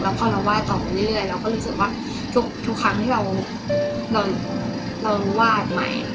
พอเราไหว้ต่อไปเรื่อยเราก็รู้สึกว่าทุกครั้งที่เราวาดใหม่